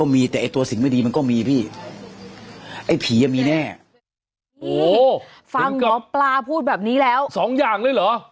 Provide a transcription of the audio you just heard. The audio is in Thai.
มีทั้งสองอย่างด้วยเหรอ